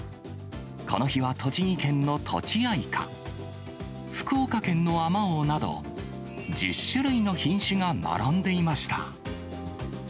この日は栃木県のとちあいか、福岡県のあまおうなど、１０種類の品種が並んでいました。